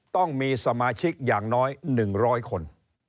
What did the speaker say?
ต้องมีสมาชิกอย่างน้อย๑๐๐คน